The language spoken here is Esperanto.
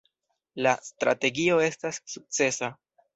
La strategio estas sukcesa.